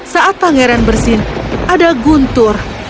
saat pangeran bersin ada guntur